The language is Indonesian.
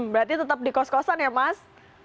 berarti tetap di kos kosan ya mas